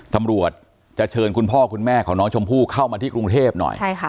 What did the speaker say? ตำรวจจะเชิญคุณพ่อคุณแม่ของน้องชมพู่เข้ามาที่กรุงเทพหน่อย